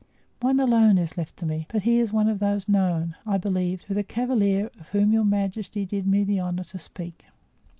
One alone is left to me, but he is one of those known, I believe, to the cavalier of whom your majesty did me the honor to speak."